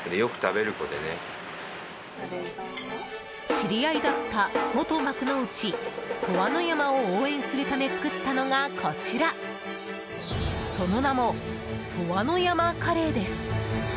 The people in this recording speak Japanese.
知り合いだった元幕内・鳥羽の山を応援するため作ったのが、こちらその名も鳥羽の山カレーです。